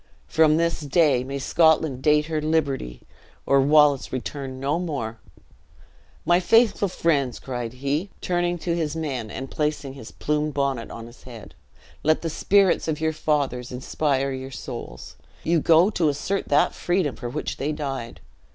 "From this day may Scotland date her liberty, or Wallace return no more! My faithful friends," cried he, turning to his men, and placing his plumed bonnet on his head, "let the spirits of your fathers inspire you souls; ye go to assert that freedom for which they died.